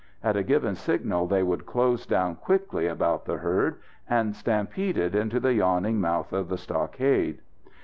At a given signal they would close down quickly about the herd, and stampede it into the yawning mouth of the stockade.